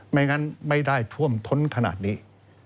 ไม่งั้นไม่ได้ท่วมท้นขนาดนี้